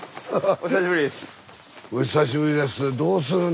お久しぶりです。